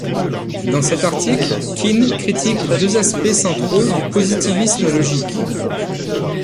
Dans cet article, Quine critique deux aspects centraux du positivisme logique.